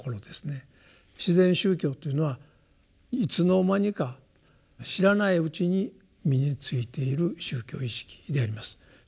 自然宗教というのはいつの間にか知らないうちに身についている宗教意識であります。